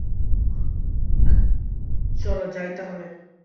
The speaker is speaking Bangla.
চলো যাই তাহলে।